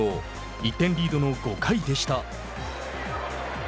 １点リードの５回でした。